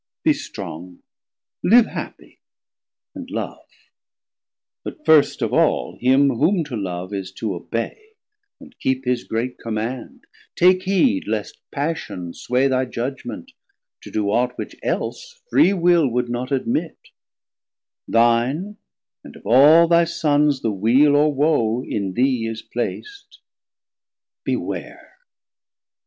Be strong, live happie, and love, but first of all Him whom to love is to obey, and keep His great command; take heed least Passion sway Thy Judgement to do aught, which else free Will Would not admit; thine and of all thy Sons The weal or woe in thee is plac't; beware.